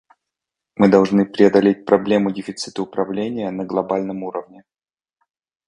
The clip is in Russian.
Мы должны преодолеть проблему дефицита управления на глобальном уровне.